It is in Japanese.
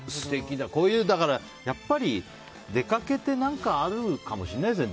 こういうやっぱり出かけて何かあるかもしれないですね。